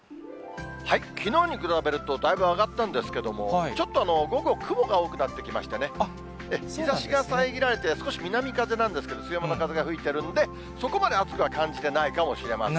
きのうに比べると、だいぶ上がったんですけども、ちょっと午後、雲が多くなってきましてね、日ざしがさえぎられて、少し南風なんですけども、強めの風が吹いてるんで、そこまで暑くは感じてないかもしれません。